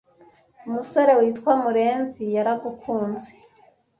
Umusore witwa murenzi yaragukunze